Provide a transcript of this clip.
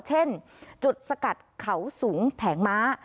เช่นจุดสกัดเขาสูงแผงม้า